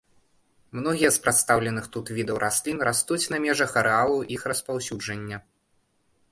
Многія з прадстаўленых тут відаў раслін растуць на межах арэалаў іх распаўсюджання.